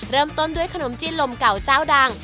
เริ่มต้นด้วยขนมจีนลมเก่าเจ้าดัง